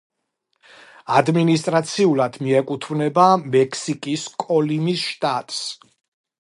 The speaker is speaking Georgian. ადმინისტრაციულად მიეკუთვნება მექსიკის კოლიმის შტატს.